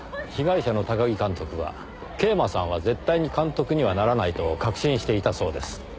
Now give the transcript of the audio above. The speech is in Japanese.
被害者の高木監督は桂馬さんは絶対に監督にはならないと確信していたそうです。